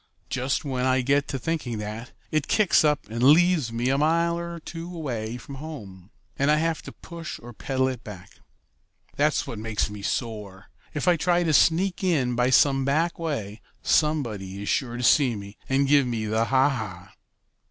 Just when I get to thinking that, it kicks up and leaves me a mile or two away from home, and I have to push or pedal it back. That's what makes me sore. If I try to sneak in by some back way somebody is sure to see me and give me the ha ha."